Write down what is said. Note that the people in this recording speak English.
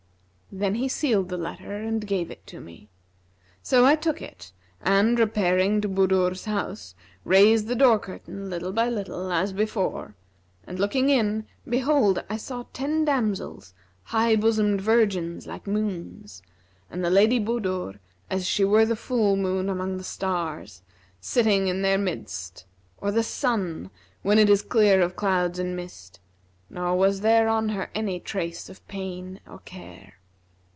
'[FN#344] Then he sealed the letter and gave it to me. So I took it and, repairing to Budur's house, raised the door curtain little by little, as before, and looking in behold, I saw ten damsels, high bosomed virgins, like moons, and the Lady Budur as she were the full moon among the stars, sitting in their midst, or the sun, when it is clear of clouds and mist; nor was there on her any trace of pain or care.